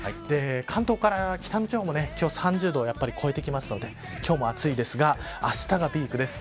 関東から北の地方も今日は３０度を超えてくるので今日も暑いですがあしたがピークです。